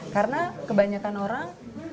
karena kebanyakan orang